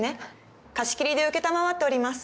貸し切りで承っております。